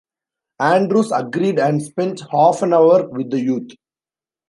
Andrews agreed and spent half an hour with the youth.